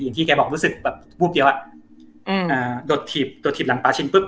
ที่แกบอกรู้สึกแบบวูบเดียวอ่ะอืมอ่าโดดถีบโดดถีบหลังปลาชิ้นปุ๊